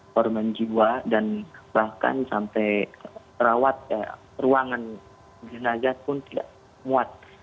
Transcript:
korban jiwa dan bahkan sampai rawat ruangan jenazah pun tidak muat